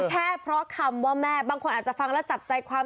แค่เพราะคำว่าแม่บางคนอาจจะฟังแล้วจับใจความ